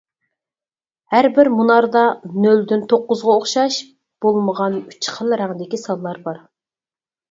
ھەر بىر مۇناردا نۆلدىن توققۇزغا ئوخشاش بولمىغان ئۈچ خىل رەڭدىكى سانلار بار.